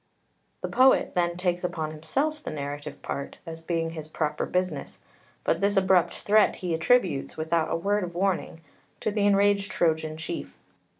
The poet then takes upon himself the narrative part, as being his proper business; but this abrupt threat he attributes, without a word of warning, to the enraged Trojan chief.